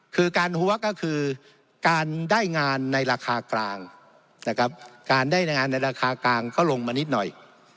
คือการหัวก็คือการได้งานในราคากลางนะครับการได้งานในราคากลางก็ลงมานิดหน่อย